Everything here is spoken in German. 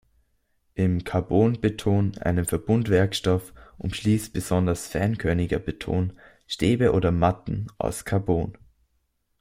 Im Carbonbeton, einem Verbundwerkstoff, umschließt besonders feinkörniger Beton Stäbe oder Matten aus Carbon.